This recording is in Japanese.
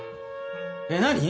えっ何？